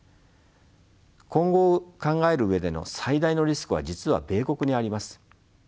今後を考える上での最大のリスクは実は米国にあります。